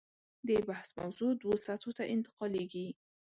د بحث موضوع دوو سطحو ته انتقالېږي.